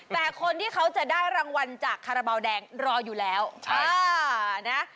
แต่คนที่เขาจะได้รางวัลจากคาราบาลแดงรออยู่แล้วนะ